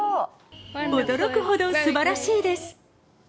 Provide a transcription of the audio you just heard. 驚くほど素晴らしいです。